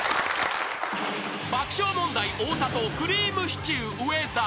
［爆笑問題太田とくりぃむしちゅー上田］